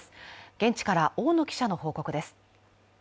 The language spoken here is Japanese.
現地から大野記者の報告です。